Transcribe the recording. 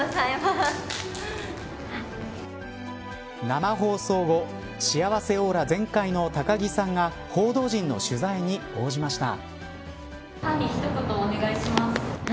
生放送後幸せオーラ全開の高城さんが報道陣の取材に応じました。